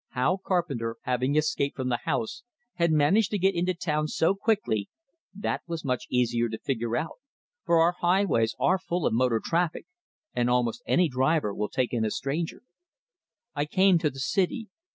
How Carpenter, having escaped from the house, had managed to get into town so quickly that was much easier to figure out; for our highways are full of motor traffic, and almost any driver will take in a stranger. I came to the city.